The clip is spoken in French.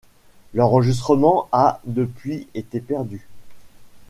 L'enregistrement a, depuis, été perdu.